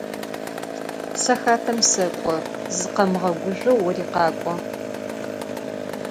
Сэ хатэм сэкӏо, зыкъэмыгъэгужъоу ори къакӏо.